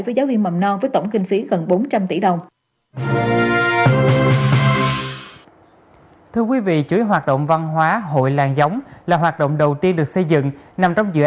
với giáo viên mầm non với tổng kinh phí gần bốn trăm linh tỷ đồng